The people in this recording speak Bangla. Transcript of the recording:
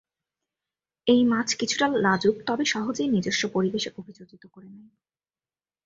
এই মাছ কিছুটা লাজুক তবে সহজেই নিজেস্ব পরিবেশে অভিযোজিত করে নেয়।